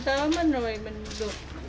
mình rồi mình được